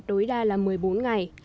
đối đa là một mươi bốn ngày